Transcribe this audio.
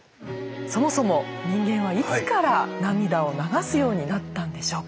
そもそも人間はいつから涙を流すようになったんでしょうか？